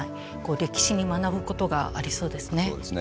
歴史に学ぶことがありそうですね。